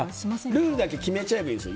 ルールだけ決めちゃえばいいんです。